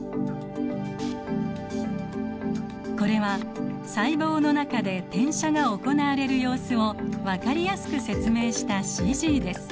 これは細胞の中で転写が行われる様子を分かりやすく説明したＣＧです。